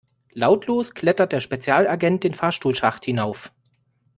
Lautlos klettert der Spezialagent den Fahrstuhlschacht hinauf.